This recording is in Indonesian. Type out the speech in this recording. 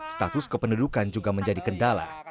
status kependudukan juga menjadi kendala